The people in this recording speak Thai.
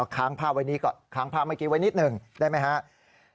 ข้างภาพไว้นิดหนึ่งได้ไหมครับ